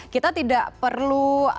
kita tidak perlu